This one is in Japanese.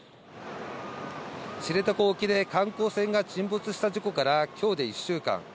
知床沖で観光船が沈没した事故から、きょうで１週間。